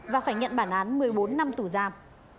và phải nhận bản án một mươi bốn năm tù giam